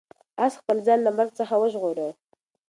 آس خپل ځان له مرګ څخه وژغوره.